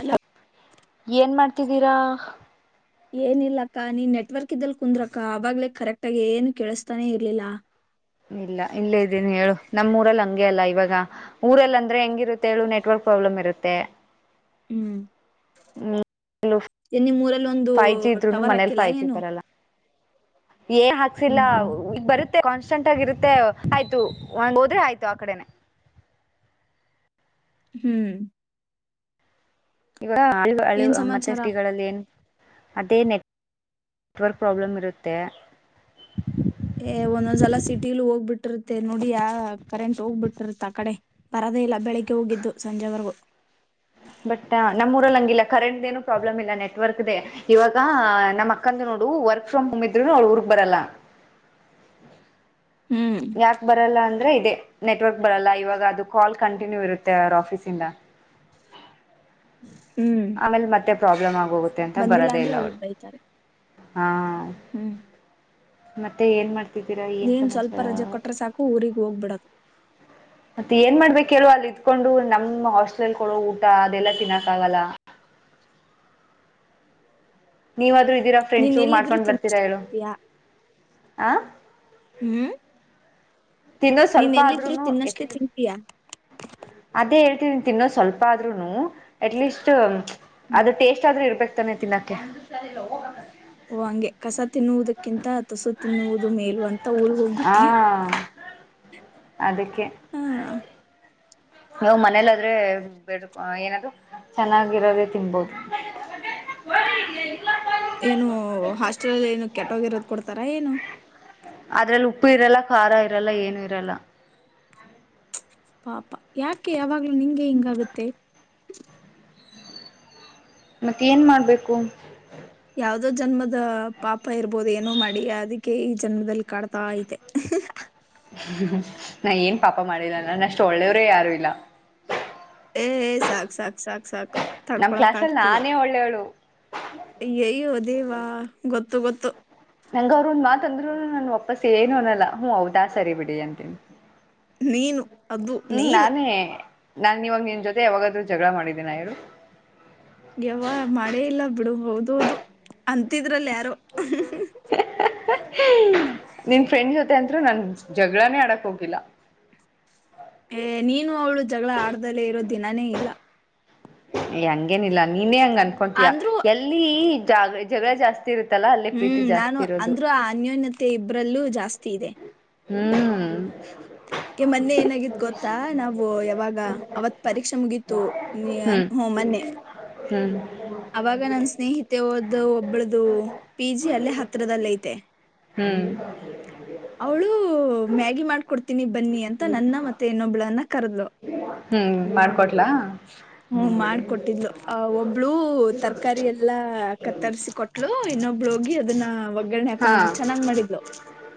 Hello ಹಾಲು, ಏನ್, ಮಾಡ್ತಿದ್ದೀರಾ? [inaudible] ಏನಿಲ್ಲಕ್ಕ ನೀ ನೆಟ್ವರ್ಕ್ ಇದ್ದಲ್ಲಿ ಕುಂದ್ರಕ್ಕ ಆವಾಗ್ಲೇ ಕರೆಕ್ಟಾಗಿ ಏನು ಕೇಳಿಸ್ತಾನೆ! ಇರ್ಲಿಲ್ಲ? [inaudible] ಇಲ್ಲ ಇಲ್ಲೇ ಇದ್ದೀನಿ ಹೇಳು ನಮ್ಮ್ ಊರಲ್ಲಿ ಹಂಗೆ ಅಲ್ಲ! ಇವಾಗ ಊರಲ್ಲ, ಅಂದ್ರೆ ಹೆಂಗಿರುತ್ತೆ ಹೇಳು ನೆಟ್ವರ್ಕ್ ಪ್ರಾಬ್ಲಮ್ ಇರುತ್ತೆ? [inaudible] ಹ್ಮ್... [inaudible] ಹ್ಮ.. [unintelligible] ಏನು ನಿಮ್ಮೂರಲ್ಲಿ... [inaudible] ಫೈವ್, ಜಿ ಇದ್ರುನು ಟವರ್ ಮನೇಲಿ! ಹಾಕಿಲ್ಲ ಫೈವ್ ಜಿ ಬರಲ್ಲ ಏನ್ ಹಾಕ್ಸಿಲ್ಲ ಹ್ಮ್ ಹ್ಮ್ ಬರುತ್ತ. [inaudible] ಕಾನ್ಸ್ಟೆಂಟ್ ಆಗಿರುತ್ತೆ! ಆಯ್ತು ಒಂದು ಹೋದ್ರೆ ಆಯ್ತು ಆ ಕಡೆನೆ? [inaudible] ಹ್ಮ್.... [inaudible] ಇವಾಗ, ಹಾಳು, ಹಾಳ್ಳು, ಏನ್ ಮತ್ತೆ ಸಮಾಚಾರ ಶ್ರೀಗಳಲ್ಲಿ ಏನ್... [unintelligible] ಅದೇ, ನೆಟ್ ನೆಟ್ವರ್ಕ್ ಪ್ರಾಬ್ಲಮ್ ಇರುತ್ತೆ? [inaudible] ಏ ಒಂದೊಂದ್ಸಲ, ಸಿಟಿಲು ಹೋಗ್ಬಿಟ್ಟಿರುತ್ತೆ? ನೋಡಿ ಯ ಕರೆಂಟ್ ಹೋಗ್ಬಿಟ್ಟಿರುತ್ತ! ಆ ಕಡೆ ಬರದೇ, ಇಲ್ಲ ಬೆಳಿಗ್ಗೆ ಹೋಗಿದ್ದು, ಸಂಜೆವರೆಗೂ? [inaudible] ಬಟ್ ನಮ್ಮೂರಲ್ಲಿ, ಹಂಗಿಲ್ಲ ಕರೆಂಟ್ ಏನು ಪ್ರಾಬ್ಲಮ್ ಇಲ್ಲ ನೆಟ್ವರ್ಕ್? [inaudible] ಅದೇ, ಇವಾಗ, ನಮ್ಮ್ ಅಕ್ಕಂದು, ನೋಡು ವರ್ಕ್ ಫ್ರಮ್ ಹೋಮ್! ಇದ್ರು ಅವ ಊರಿಗೆ ಬರಲ್ಲ? [inaudible] ಹ್ಮ್ ಯಾಕು, ಬರಲ್ಲ ಅಂದ್ರಿ.... [inaudible] ಅದೇ, ನೆಟ್ವರ್ಕ್ ಬರಲ್ಲ ಇವಾಗ! ಅದು ಕಾಲ್ ಕಂಟಿನ್ಯೂ, ಇರುತ್ತೆ ಅವ್ರ ಆಫೀಸ್, ಇಂದ. [inaudible] [unintelligible] [inaudible] ಆಮೇಲೆ ಮತ್ತೆ? [inaudible] ಪ್ರಾಬ್ಲಮ್, ಅ.. [inaudible] ಹೋಗುತ್ತೆ ಅಂತ ಬಂದಿಲ್ಲ ಬರೋದೇ ಅಂದ್ರೆ ಇಲ್ಲ ಅವ್ರು ಅವಳು.. ಬೈತಾರೆ [inaudible] ಹಾ... [inaudible] ಹ್ಮ್.... [inaudible] ಮತ್ತೆ, ಏನ್ ಮಾಡ್ತ. [inaudible] ನೀನ್, ಸ್ವಲ್ಪ ರಜೆ ಕೊಟ್ರೆ! ಸಾಕು ಊರಿಗೆ ಹೋಗ್ಬಿಡದು! [inaudible] ಮತ್ತೆ ಏನ್ ಮಾಡಬೇಕು, ಹೇಳು ಅಲ್ಲಿ ಇಧಿಕೊಂಡು, ನಮ್ಮ್ ಹಾಸ್ಟೆಲ್ಲ್ ಕೊಡೋ ಊಟ ಅದೆಲ್ಲ ತಿನ್ನಕ್ ಆಗಲ್ಲ! [inaudible] ನೀವು, ಆದ್ರೂ. [inaudible] ಇದೀರಾ, ನೀನ್ ಫ್ರೆಂಡ್ಸು ಎಲ್ಲಿದ್ರು ಮಾಡ್ಕೊಂಡ್ ಬರ್ತೀರಾ ತಿನ್ನಷ್ಟೇ ಹೇಳು? ತಿಂತೀಯಾ [inaudible] ಆ... [inaudible] ಹ್ಮ್... [inaudible] ತಿನ್ನೋ ನೀನ್ ಸ್ವಲ್ಪ! ಎಲ್ಲಿದ್ರು ಆಧಾರನೂ, ತಿನ್ನಷ್ಟೇ ಎಟ್ಲಿ. [inaudible] ತಿಂತೀಯಾ ಅದೇ, ಹೇಳ್ತಿದಿನೀ, ತಿನ್ನೋ, ಸ್ವಲ್ಪ ಆದ್ರುನು ಅಟ್ಲೀಸ್ಟ್? [inaudible] ಹ್ಮ್ ಅದ ಟೇಸ್ಟ್ ಆದ್ರೂ ಇರ್ಬೇಕು ತಾನೆ ತಿನ್ನಕೆ ಓ ಹಂಗೆ ಕಸ ತಿನ್ನುವುದಕ್ಕಿಂತ ತುಸು ತಿನ್ನುವುದು ಮೇಲ ಅಂತ ಊರ್ಗ್ ಹಾ ಹೋಗ್ಬಿಟ್ಟಯ ಅದಕ್ಕೆ ನವು ಮನೇಲಾದ್ರೆ ಬೇಡ್ ಏನಾದ್ ಚೆನ್ನಾಗಿರೋದೆೇ ತಿನ್ಬೋದು ಏನು ಹಾಸ್ಟೆಲ್ ಅಲ್ಲಿ ಏನು ಕೆಟ್ಟೋಗಿರೋದು ಕೊಡ್ತಾರ ಏನು ಅದ್ರಲ್ಲಿ ಉಪ್ಪು ಇರಲ್ಲ ಖಾರ ಇರಲ್ಲ ಏನು ಇರಲ್ಲ ಪಾಪಾ ಯಾಕೆ ಯಾವಾಗ್ಲೂ ನಿಂಗೆ ಹಿಂಗಾಗುತ್ತೆ ಮತ್ತೆ ಏನ್ ಮಾಡ್ಬೇಕು ಯಾವ್ದೋ ಜನ್ಮದ ಪಾಪ ಇರ್ಬೋದು ಏನೋ ಮಾಡಿ ಅದಕ್ಕೆ ಈ ಜನ್ಮದಲ್ಲಿ ಕಾಡ್ತಾ ಐತೆ ್ಮ ನಾ ಏನ್ ಪಾಪ ಮಾಡಿಲ್ಲಲ್ಲ ನಾನ ಅಷ್ಟು ಒಳ್ಳೆಯವ್ರೇ ಯಾರು ಇಲ್ಲ ಏ ಸಾಕ್ ಸಾಕ್ ಸಾಕ್ ಸಾಕ್ ನಮ್ ತಡ್ಕೊಳಕ್ ಕ್ಲಾಾಸ ಅಲ್ಲಿ ಆಗ್ತಿಲ್ಲ ನಾನೇ ಒಳ್ಳೇಳು ಹ ಅಯ್ಯಯ್ಯೋ ಅದೇವಾ ಗೊತ್ತು ಗೊತ್ತು ನಂಗ ಅವರು ಒಂದ ಮಾತ ಅಂದ್ರು ನನ್ ವಾಪಸ್ಸ ಏನು ಅನಲ್ಲ ಹೌದಾ ಸರಿ ಬಿಡಿ ಅಂತೀನಿ ನೀನು ಅದದು ಹ್ಮ್ ನೀನು ನಾನೇ ನಾನ್ ನಿವಾಗ ನಿನ್ ಜೊತೆ ಯಾವಾಗಾದ್ರು ಜಗಳ ಮಾಡಿದ್ದೀನ ಇವರು ಯಾವ ಮಾಡೇ ಇಲ್ಲ ಬಿಡು ಹೌದೌದು ಅಂತಿದ್ರಲ್ಲಿ ಯ [unintelligible] ಮ ಅಂದ್ರ ನನ್ ಜಗಳಾನೇ ಆಡಕ್ ಹೋಗಿಲ್ಲ ಏ ನೀನು ಅವಳು ಜಗಳ ಆಡ್ದಲ್ಲೇ ಇರೋ ದಿನಾನೇ ಇಲ್ಲ ಹಂಗೇನಿಲ್ಲ ನೀ ಇನ್ನೇ ಹಂಗ ಅನ್ಕೊತಯಾ ಅಂದ್ರು ಎಲ್ಲಿ ಜಾಗೃತಿ ಜಗಳ ಜಸ್ತಿ ಹ್ಮ್ ನಾನು ಅಂದ್ರು ಆ ಅನ್ಯೋನ್ಯತೆ ಒಬ್ರಲ್ಲೂ ಜಾಸ್ತಿ ಇದೆ ಹ್ಮ್ ಕೆ ಮೊನ್ನೆ ಏನಾಗತ್ ಗೊತ್ತಾ ನಾವು ಯಾವಾಗ ಅವತ್ ಪರೀಕ್ಷೆ ಮುಗೀ ತ [unintelligible] ನೀ ಹ್ಮ್ ಹ್ಮ ಮೊನ್ನೆ ಹ್ಮ್ ಅವಾಗ ನನ್ ಸ್ನೇಹಿತ ಮದು ಒಬಳ್ದು ಪಿ ಜಿ ಅಲ್ಲೇ ಹತ್ರದಲ್ಲ ಐತೆ ಹ್ಮ್ ಅವಳು ಮ್ಯಾಗಿ ಮಾಡ್ಕೊಡ್ತೀನಿ ಬನ್ನಿ ಅಂತ ನನ್ನ ಮತ್ತೆ ಇನ್ನೊಬ್ಳನ್ನ ಕರದ್ಲು ಹ್ಮ್ ಮಾಡ್ಕೊಟ್ಲಾ ಹ್ಮ್ ಮಾಡ್ಕೊಟ್ಟಿದ್ಲು. ಆ ಒಬ್ಬಳು [unintelligible] ತರಕಾರಿ ಎಲ್ಲಾ ಕತ್ತರಿಸಿ ಕೊಟ್ಲು ಇನ್ನೊಬ್ಳ ಹೋಗಿ ಅದನ್ನ ಓಗರಣ ಹಾ ಹಾಕೊಂಡ್ ಬಂದಿದ್ಲು ಚೆನ್ನಾಗಿ ಮಾಡಿದ್ಲು.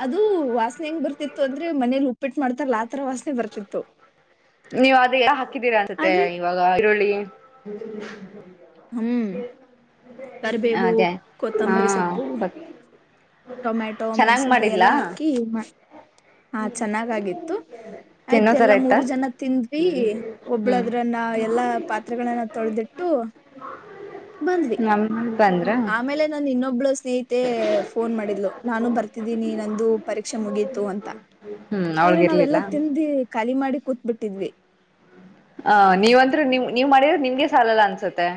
ಅದು ವಾಸನೆ ಹೆಂಗ್ ಬರ್ತಿತ್ತು ಅಂದ್ರೆ ಮನೇಲಿ ಉಪ್ಪಿಟ್ಟು ಮಾಡ್ತಾರಲ್ಲ ಆ ತರ ವಾಸನೆ ಬರ್ತಿತ್ತು. ನೀವ್ ಅದ ಎಲೋ ಹಾಕಿದ್ದೀರಾ ಅನ್ಸುತ್ತೆ ಆದ್ರೆ ಇವಾಗ ಈರುಳ್ಳಿ ಹ್ಮ್ ಕರಿಬೇವು, ಅದೇ ಹಾ ಕೊತ್ತಂಬರಿ ಸೊಪ್ಪು ಟೊಮೆಟೊ ಚೆನ್ನಾಗ್ ಮೆಣಸಿನಕಾಯಿ ಎಲ್ಲ ಮಾಡಿದ್ಲಾ ಹಾಕಿ ಹಾ ಚೆನ್ನಾಗಾಗಿತ್ತು. ತಿನ್ನೋ ಆಯ್ತ್ ತರ ಎಲ್ಲಾ ಇತ್ತಾ ಮೂರು ಜನ ತಿಂದ್ವಿ ಹ್ಮ್ ಒಬ್ಬಳದ್ರನ್ನ ಎಲ್ಲಾ. ಪಾತ್ರೆಗಳನ್ನ ತೊಳೆದಿಟ್ಟು ನಮ್ಮ [unintelligible] ಆ ಮೇಲೆ ನನ್ ಇನ್ನೊಬ್ಳ ಸ್ನೇಹಿತೆ ಫೋನ್ ಮಾಡಿದ್ಲು. ನಾನು ಬರ್ತಿದ್ದೀನಿ ನಂದು ಪರೀಕ್ಷೆ ಮುಗೀತು ಅಂತ. ಹ್ಮ್ ಆದ್ರೆ ಅವಳ್ಗಿರ್ಲಿಲ್ಲ ನಾವೆಲ್ಲಾ ತಿಂಡಿ ಖಾಲಿ ಮಾಡಿ ಕೂತ್ಬಿಟ್ಟ [inaudible] ಹ ನೀವಂದ್ರೆ ನಿಮ್ ನೀವ್ ಮಾಡಿರೋದು ನಿಮ್ಗೆ ಸಾಲಲ್ಲ ಅನ್ಸುತ್ತೆ.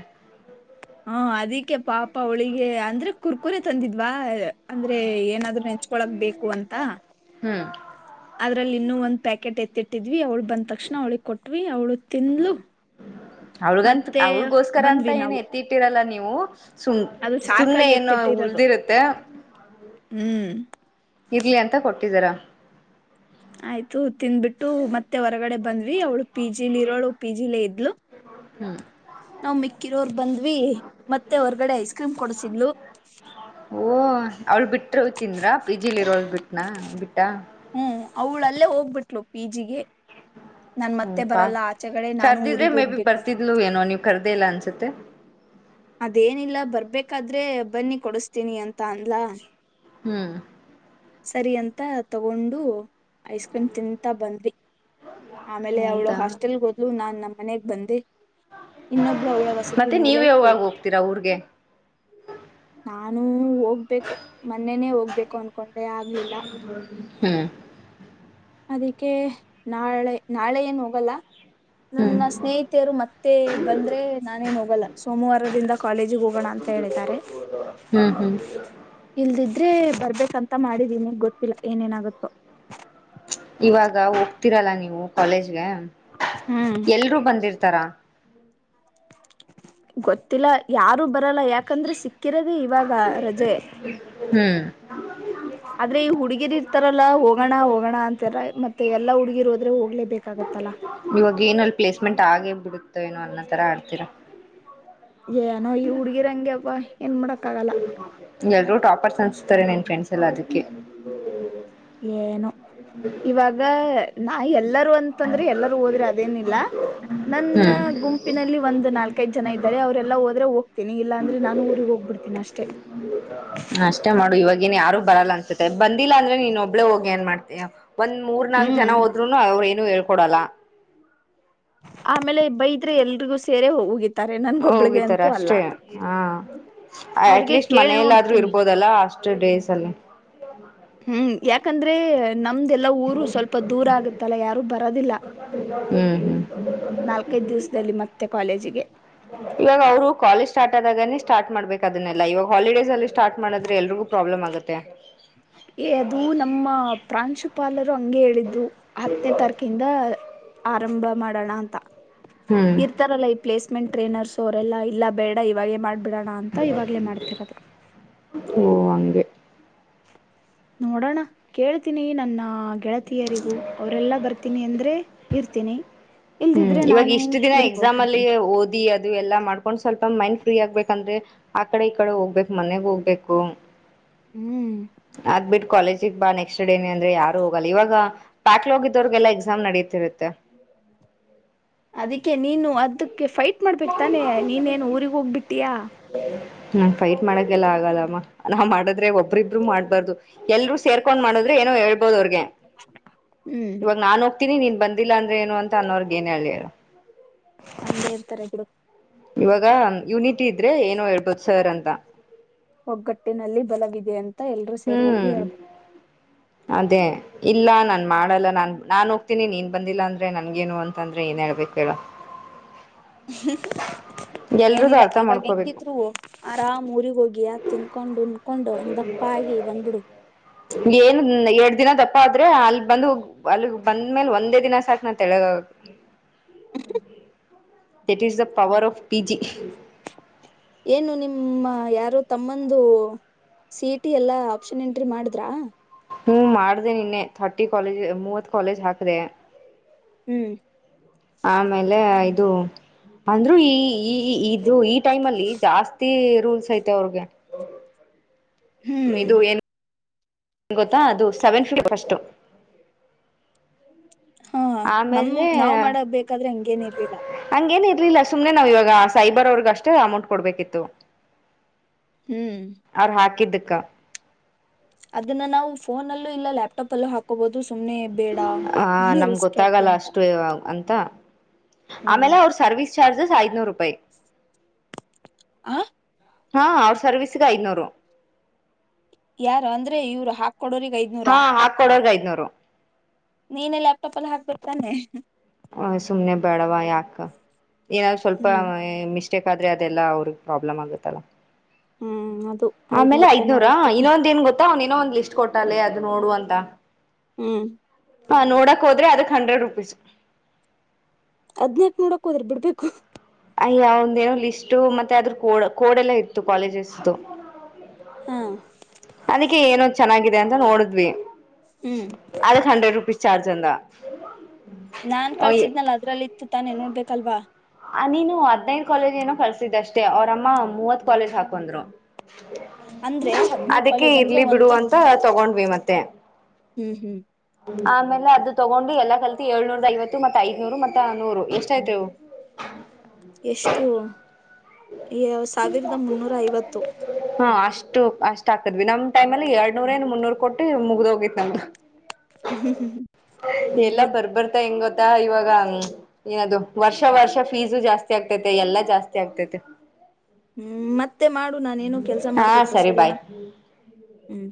ಹಾ ಅದಿಕ್ಕೆ ಪಾಪ ಅವಳಿಗೆ ಅಂದ್ರೆ ಕುರ್ಕುರೆ ತಂದಿದ್ವಾ ಅಂದ್ರೆ ಏನಾದರೂ ನೆಚ್ಕೊಳಕೆ ಬೇಕು ಅಂತ. ಹ್ಮ್ [unintelligible] ಅದ್ರಲ್ಲಿ ಇನ್ನೂ ಒಂದ್ ಪ್ಯಾಕೆಟ್ ಎತ್ತಿಟ್ಟಿದ್ವಿ ಅವ್ಳ ಬಂದ ತಕ್ಷಣ ಅವ್ಳಿಗೆ ಕೊಟ್ವಿ ಅವಳು ತಿಂದ್ಲು ಅವಳಗಂತ ಮತ್ತೆ ಅವಳಗೋಸ್ಕರ ಅಂತ ಬಂದ್ವಿ ಏನ್ ನಾವು ಎತ್ತಿ ಇಟ್ಟಿರಲ್ಲ ನೀವು ಹ [unintelligible] ಸುಮ್ ಅದು ಸುಮ್ನೆ ಸಾಕಾಗಿ ಏನೂ ಎತ್ತಿಟ್ಟಿರೋದು ಉಳ್ದಿರುತ್ತೆ. ಹ್ಮ್ ಇರ್ಲಿ ಅಂತ ಕೊಟ್ಟಿದಾರ. ಆಯ್ತು ತಿಂದ್ಬಿಟ್ಟು ಮತ್ತೆ ಹೊರಗಡೆ ಬಂದ್ವಿ ಅವಳು ಪಿ ಜಿ ಲಿ ಇರೋಳ ಪಿ ಜಿ ಲೆ ಇದ್ಲು ಹ್ಮ್ ನಾವ್ ಮಿಕ್ಕಿರೋರ್ ಬಂದ್ವಿ ಮತ್ತೆ ಹೊರಗಡೆ ಐಸ್ ಕ್ರೀಮ್ ಕೊಡಸಿದ್ಲು. ಓ [unintelligible] ಅವಳ ಬಿಟ್ಟರು ತಿಂದ್ರ ಪಿ ಜಿ ಇರೋಳ್ ಬಿಟ್ಟ ಆ ಬಿಟ್ಟಾ. ಹ್ಮ್ ಅವಳಲ್ಲೇ ಹೋಗ್ಬಿಟ್ಲು ಪಿ ಜಿ ಗೆ ಬಾ ನಾನು ಕರ್ದಿದ್ರೆ ಊರಿಗ್ ಮೇ ಬಿ ಹೋಗ್ಬೇಕು ಬರ್ತಿದ್ಲು ಏನೋ ನೀವ್ ಕರೆದೆ ಇಲ್ಲ ಅಂತ ಸತೆ ಅದೇನಿಲ್ಲ ಬರ್ಬೇಕಾದ್ರೆ ಬನ್ನಿ ಕೊಡಸ್ತೀನಿ ಅಂತ ಅನ್ಲ ಹ್ಮ್ ಸರಿ ಅಂತ ತಗೊಂಡು ಐಸ್ ಕ್ರೀಮ್ ತಿಂತಾ ಬಂದಿ ಆಮೇಲೆ ಅವಳ ಹೌದಾ ಹಾಸ್ಟೆಲ್ಗೆ ಹೋದ್ಲು ನಾನ್ ನಮ್ಮನೆಗ್ ಬಂದೆ ಇನ್ನೊಬ್ಳ ಅವಳ ಮತ್ತೆ ನೀವ್ ವಸತಿಿನಲೆ ಯಾವಾಗ ಹೋದ್ ಹೋಗ್ತೀರಾ ಊರ್ಗೆ ನಾನು ಹೋಗ್ಬೇಕು ಮೊನ್ನೆನೇ ಹೋಗ್ಬೇಕು ಅನ್ಕೊಂಡೆ ಆಗ್ಲಿಲ್ಲ ಹ್ಮ್ ಅದಕ್ಕೆ ನಾಳೆ ನಾಳೆ ಏನು ಹೋಗಲ್ಲ ಹ್ಮ್ ನನ್ನ ಸ್ನೇಹಿತಿಯರು ಮತ್ತೆ ಬಂದ್ರೆ ನಾನೇನ್ ಹೋಗಲ್ಲ ಸೋಮವಾರದಿಂದ ಕಾಲೇಜಿಗೆ ಹೋಗೋಣ ಅಂತ ಹೇಳಿದ್ದಾರೆ ಹ್ಮ್ ಹ್ಮ್ ಇಲ್ದಿದ್ರೆ ಬರ್ಬೇಕಂತ ಮಾಡಿದೀ ನಿಗ್ ಗೊತ್ತಿಲ್ಲ ಏನೇನಾಗುತ್ತೋ ಇವಾಗ ಹೋಗ್ತಿೀರಲ್ಲ ನೀವು ಕಾಲೇಜ್ಗೆ ಹ್ಮ್ ಎಲ್ರು ಬಂದಿರ್ತಾರ ಗೊತ್ತಿಲ್ಲ ಯಾರು ಬರಲ್ಲ ಯಾಕಂದ್ರೆ ಸಿಕ್ಕಿರದೇ ಇವಾಗ ರಜೆ ಹ್ಮ್ ಆದ್ರೆ ಈ ಹುಡ್ಗಿರಿ ಇರ್ತಾರಲ್ಲ ಹೋಗಣ ಹೋಗೋಣ ಅಂತರ ಮತ್ತೆ ಎಲ್ಲಾ ಹುಡ್ಗಿರು ಹೋದ್ರೆ ಹೋಗ್ಲೇಬೇಕಾಗತ್ತಲ್ಲ ಏನುೋ ಅನ್ನೋ ಥರ ಆಡ್ತೀರ ಏನೋ ಈ ಹುಡ್ಗಿರಂಗೆ ವಾಾಯ್ ಏನು ಮಾಡೋಕ್ಕಾಗಲ್ಲ ಎಲ್ರೂ ಟಾಪರ್ಸ್ ಅನ್ಿಸತಾರೆ ನನ್ ಫ್ರೆಂಡ್ಸ್ ಎಲ್ಲ ಅದಕ್ಕೆ ಏನುೋ ಇವಾಗ ನಾ ಎಲ್ಲರೂ ಅಂತಂದ್ರೆ ಎಲ್ಲರೂ ಹೋದ್ರೆ ಅದೇನಿಲ್ಲ ನನ್ನ ಹ್ಮ್ ಗುಂಪಿನಲ್ಲಿ ಒಂದ್ ನಾಲ್ಕೈದ್ ಜನ ಇದ್ದಾರೆ ಅವ್ರೆಲ್ಲಾ ಹೋದ್ರೆ ಹೋಗ್ತೀನಿ ಇಲ್ಲಾ ಅಂದ್ರೆ ನಾನು ಊಗ್ ಹೋಗ್ಬಿಡ್ತೀನಿ ಅಷ್ಟೆ ಅಷ್ಟೇ ಮಾಡು ಇವಾಗೇನ್ ಯಾರು ಬರಲ್ಲ ಅನ್ಸುತ್ತೆ ಬಂದಿಲ್ಲ ಅಂದ್ರೆ ನೀನ್ ಒಬ್ಬಳೇ ಹೋಗ ಏನ್ ಮಾಡ್ತ ಒಂದ್ ಮೂರ್ ನಾಲ್ಕ ಜನ ಹದ್ರುೂ ಅವರು ಹೇಳ್ಕೊಡಲ್ಲ ಆಮೇಲೆಬ್ಬೈ ಇದ್ರೆ ಎಲ್ರಿಗೂ ಸೇರೆ ಹ ಹೋಗಿತ್ತು ಹೋಗಿತಾರೆ ಅಷ್ಟೇ ಹ ಅದ್ಕೆ ಅಟ್ಲೀಸ್ಟ್ ಕೇಳ್ ಮನೆಯಲ್ಲಾದ್ರೂ ನೋಡ್ತೀನಿ ಇರ್ಬೋದಲ್ಲಾ ಅಷ್ಟ ಡೇಸ್ ಅಲ್ಲೇ ಹ್ಮ್ ಯಾಕಂದ್ರೆ ನಮ್ದೆಲ್ಲಾ ಊರು ಸ್ವಲ್ಪ ದೂರ ಆಗತ್ತಲ್ಲ ಯಾರು ಬರೋದಿಲ್ಲ ಹ್ಮ್ ಹ್ಮ್ ನಾಲ್ಕೈದ್ ದಿವಸದಲ್ಲಿ ಮತ್ತೆ ಕಾಲೇಜಿಗೆ ಇವಾಗ ಅವರು ಕಾಲೇಜ್ ಸ್ಟಾರ್ಟ್ ಆದಾಗನೇ ಸ್ಟಾರ್ಟ್ ಮಾಡ್ಬೇಕು ಅದನ್ನಲ್ಲ ಇವಾಗ ಹಾಲಿಡೇಸ್ಲ್ಲಿ ಸ್ಟಾರ್ಟ್ ಮಾಡಿದ್ರೆ ಎಲ್ರಿಗೂ ಪ್ರಾಬ್ಲಮ್ ಆಗುತ್ತೆ ಅದು ನಮ್ಮ ಪ್ರಾಂಶುಪಾಲರು ಹಂಗೆ ಹೇಳಿದ್ದು ಹತ್ತನೇ ತಾರೀಕಿಂದ ಆರಂಭ ಮಾಡೋಣ ಅಂತ ಹ್ಮ್ ಇರ್ತಾರಲ್ಲ ಈ ಪ್ಲೇಸ್ ್ಮೆಂಟ್ ಟ್ರೈನರ್ಸ್ ಅವರೆಲ್ಲ ಬೇಡ ಇವಾಗೇ ಮಾಡ್ ಓ ಹಂಗೆ ನೋಡೋಣ ಕೇಳ್ತೀನಿ ನನ್ನ ಆ ಗೆಳತಿಯರಿಗೂ ಅವರೆಲ್ಲಾ ಬರ್ತೀನಿ ಅಂದ್ರೆ ಇರ್ತೀನಿ ಹ್ಮ್ ಇಲ್ದಿದ್ರೆ ಇವಾಗ ನಾನು ಇಷ್ಟು ದಿನ ಊರಿಗ್ ಎಕ್ಸಾಮ್ ಅಲ್ಲಿ ಹೋಗ್ಬಿಡ್ತೀನಿ ಓದಿ ಅದು ಎಲ್ಲಾ ಮಾಡ್ಕೊಂಡ್ ಸ್ವಲ್ಪ ಸ್ ಮೈಂಡ್ ಫ್ರೀ ಆಗ್ಬೇಕಂದ್ರೆ ಆ ಕಡೆ ಈ ಕಡೆ ಹೋಗ್ಬೇಕಕ್ ಮನೆಗ್ ಹೋಗ್ಬೇಕು ಹ್ಮ್ ಆಗ್ಬಿಟ್ಟು ಕಾಲೇಜ್ ಕ್ ಬಾ ನೆಕ್ಸ್ಟ್ ಡೇನ ಅಂದ್ರೆ ಯಾರು ಹೋಗಲ್ಲ ಇವಾಗ ಪ್ಯಾಕ್ಲ್ ಹೋಗಿದವರ್ಗೆಲ್ಲಾ ಎಕ್ಸಾಮ್ ನಡೀತಿರುತ್ತೆ ಅದಕ್ಕೆ ನೀನು ಅ್ದ ೆ ಫೈಟ್ ಮಾಡ್ಬೇಕು ತಾನೆ ನೀನ್ೇನ್ ಊಗ್ ಹೋಗ್ಬಿಟ್ಟಿಯಾ ಹ್ಮ ಫೈಟ್ ಮಾಡಕಲ್ಲ ಆಗಲ್ಲಮ್ಮ ನಾ ಮಾಡದ್ರೆ ಒಬ್ರಿಬ್ರು ಮಾಡ್ಬಾರ್ದು ಎಲ್ರೂ ಸೇರ್ಕೊಂಡ್ ಮಾಡುದ್ರೆ ಏನೋ ಹೇಳ್ಬೋದು ಅವ್ರಿಗೆ ಹಂಗೆ ಇವಾಗ ನಾನು ಇಿನಿ ನೀನ್ ಬಂದಿಲ್ಲ ಅಂದ್ರೆ ಏನು ಅಂತ ಅನ್ನೋರ್ಗ ಏನ್ ಹೇಳಿರು ಅಲ್ಲಂತಾರೆ ಬಿಡು ಇವಾಗ ಯುನಿತ್ ಟ್ಟ ಇದ್ರೆ ಏನು ಹೇಳ್ಬೋದು ಸರ್ ಅಂತ ಒಗ್ಗಟ್ಟಿನಲ್ಲಿ ಬಲವಿದೆ ಅಂತ ಎಲ್ರೂ ಸೇರಿ ಹೋಗಿ ಹ್ಮ್ ಹೇಳ್ಬೇಕು ಅದೇ ಇಲ್ಲ ನಾನ್ ಮಾಡಲ್ಲ ನಾನ್ ನಾನನ್ ಹೋಗ್ತೀನಿ ನೀನ್ ಬಂದಿಲ್ಲ ಅಂದ್ರೆ ನನ್ಗೇನು ಅಂತಂದ್ರೆ ಏನ್ ಹೇಳ್ಬೇಕ ಹೇಳ ಏನಿಲ್ಲ ಅರ್ಥ ಇವಾಗ ಮಾಡ್ಕೋಬೇಕು ಹೆಂಗಿದ್ರು ಆರಾಮ್ ಊರಿಗ್ ಹೋಗಿ ತಿನ್ಕೊಂಡು ಹಾಕೊಂಡು ಒಂದ ದಪ್ಪ ಆಗಿ ಬಂದ್ಬಿಡು ಏನು ಎರಡ್ ದಿನ ದಪ್ಪ ಆದ್ರೆ ಅಲ್ಲಿ ಬಂದು ಅಲ್ಲಿಗ್ ಬಂದ್ಮೇಲ್ ಒಂದೇ ದಿನ ಸಾಕ ನಾ ತಳಗ that is the power of P G ಏನು ನಿಮ್ಮ ಯಾರೋ ತಮ್ಮಂದು ಸಿಟಿ ಎಲ್ಲ ಆಪ್ಷನ್ ಎಂಟ್ರಿ ಮಾಡಿದ್ರಾ ಹ್ಮ ಮಾಡ್ದ ನಿನ್ನೆ ಥರ್ಟಿ ಕಾಲೇಜ್ ಮೂವತ್ ಕಾಲೇಜ್ ಹಾಕ್ದೆ ಹ್ಮ್ ಆಮೇಲೆ ಇದು ಅಂದ್ರು ಈ ಈ ಇದು ಈ ಟೈಮ್ ಅಲ್ಲಿ ಜಾಸ್ತಿ ರೂಲ್ಸ್ ಐತೆ ಅವ್ರಿಗೆ ಹ್ಮ್ ಇದು ಏನು ಗೊತ್ತಾ ಅದು ಸೆವೆನ್ ಫಿಫ್ಟಿ ಫಸ್ಟು ಹಾ ನಮ್ ಆಮೇಲೆ ನಾವ್ ಮಾಡ ಬಾದ್ರೆ ಹಂಗೇನ್ಿರ್ಲಿಲ್ಲ ಹಂಗೇನ್ ಇರ್ಲಿಲ್ಲ ಸುಮ್ನೆ ನಾವ್ ಇವಾಗ ಸೈಬರ್ ಅವ್ರಗ್ ಅಷ್ಟೇ ಅಮೌಂಟ್ ಕೊಡ್ಬೇಕಿತ್ತು ಹ್ಮ್ ಅವರು ಹಾಕಿದ್ದ ಕ್ಕ ಅದನ್ನ ನಾವು ಫೋನ್ ಅಲ್ಲೂ ಇಲ್ಲ ಲ್ಯಾಪ್ಟಾಪ್ ಅಲ್ಲೂ ಹಾಕೋಬಹುದು ಸುಮ್ನೆ ಬೇಡ ಹ ನಮ್ಗ್ ರಿಸ್ಕ್ ಯಾಕೆ ಗೊತ್ತಾಗಲ್ಲ ಅಂತ ಅಷ್ಟು ಅಂತ ಹ್ಮ್ ಆಮೇಲೆ ಅವ್ರ ಸರ್ವಿಸ್ ಚಾರ್ಜಸ್ ಐನೂರು ರೂಪಾಯಿ ಆ ಹಾ ಅವ್ರ ಸರ್ವೀಸಗೆ ಐನೂರು ಯಾರ ಅಂದ್ರೆ ಇವರು ಹಾಕೊಡೋ್ರಗ ಐದ್ನೂರಾ ೂರು ನೀನೇ ಲ್ಯಾಪ್ಟಾಪ್ ಅಲ್ಲಿ ಹಾಕ್ಬಿರ್ತಾನೆ ಹ ಸುಮನೆ ಬಳವಾ ಆಕ್ಕ ಏನಾದ್ರು ಸ್ವಲ್ಪ ಹ್ಮ್ ಮಿ ಕ್ ಆದ್ರೆ ಅದೆಲ್ಲ ಅವ್ರಿಗೆ ಪ್ರಾಬ್ಲಮ್ ಆಗುತ್ತಲ್ಲ ಹ್ಮ್ ಮದ ಆಮೇಲೆ ಐದ್ನೂರ ಇನ್ನೊಂದ ಏನ್ ಗೊತ್ತ ಅವ್ನ್ ಇನೋ ಒಂದ್ ಲಿಸ್ಟ್ ಕೊಟ್ಟಾಲೆ ಅ ನೋಡುವಂತ ಹ್ಮ್ ಹಾ ನೋಡಕ್ ಹೋದ್ರೆ ಅದಕ್ ಹಂಡ್ರೆಡ್ ರುಪೀಸ್ ಹದ್ಿನೆಂಟು ನೋಡಕ್ ಹೋದ್ರಿ ಬಿಡ್ಬೇಕು ಅಯ್ಯ ಒಂದ ಏನೋ ಲಿಸ್ಟು ಮತ್ತೆ ಅದ್ರ ಕೋಡ್ ಕೋಡೆ ಎಲ್ಲ ಇತ್ತು ಕಾಲೇಜಸ್್ದು ಹಾ ಅದಕ್ಕೆ ಏನು ಚೆನ್ನಾಗಿದೆ ಅಂತ ನೋಡಿದ್ವಿ ಹ್ಮ್ ಅದಕ್ಕೆ ಹಂಡ್ರೆಡ್ ರುಪೀಸ್ ಚಾರ್ಜ ಚಿಂದ ನಾನ್ ಕಳ್ಸಿದ್ನಲ್ಲ ಅದ್ರಲ್ಲಿ ಇತ್ತು ತಾನೇ ನೋಡ್ಬೇಕು ಕಲ್ವಾ ನೀನು ಹದ್ನೈದು್ ಕಾಲೇಜ್ ಏನೋ ಕಳ್ಸಿದ್ದ ಅಷ್ಟೇ ಅವರಮ್ಮ ಮೂವತ್ ಕಾಲೇಜ್ ಹಾಕಂದ್ರು ಅಂದ್ರೆ ಹದ್ನೈದ್ ಅದಕ್ಕೆ ಕಾಲೇಜ್ ಅಂದ್ರೆ ಇರ್ಲಿ ಬಿಡು ಒಂದೊಂದು ಅಂತ ತಗೊಂಡ್ವಿ ಮತ್ತೆ ಹ್ಮ್ ಹ್ಮ್ ಆಮೇಲೆ ಅದು ತಗೊಂಡು ಎಲ್ಲಾ ಕಲ್ತಿ ಏಳ್ನೂರದ ಐವತ್ತು ಮತ್ತತ್ ಐದನೂರು ಮತ್ತ ನೂರು ಎಷ್ಟ ಆಯ್ತವು ಎಷ್ಟು ಸಾವಿರದ ಮುನ್ನೂರ ಐವತ್ತು ಹಾ ಅಷ್ಟು ಅಷ್ಟ್ ಆಕದ್ವಿ ನಮ ಟೈಮ್ ಅಲ್ಲಿ ಎರಡ್ನೂರ ಏ ಮುನ್ನೂರ್ ಕೊಟ್ಟಿ ಮುಗ್ದ ಹೋಗಿತ್ ನಮ್ದು ಎಲ್ಲ ಹಂಗೆ ಬರ್ಬರ್ತಾ ಹೆಂಗ ಇವಾಗ ಏನದು ವರ್ಷ ವರ್ಷ ಫೀಸು ಜಾಸ್ತಿ ಆಗ್ತೈತೆ ಎಲ್ಲಾ ಜಾಸ್ತಿ ಆಗ್ತೈತೆ ಹ್ಮ್ ಮತ್ತೆ ಮಾಡು ನಾನೇನ ಕೆಲ್ಸ ಹಾ ಮಾಡ್ಬೇಕು ಸರಿ ಬಾಯ್ ಸರಿನಾ ಹ್ಮ್